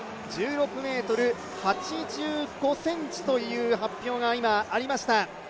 １８ｍ８５ｃｍという記録がありました。